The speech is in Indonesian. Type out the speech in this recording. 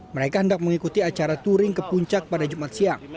mereka hendak mengikuti acara touring ke puncak pada jumat siang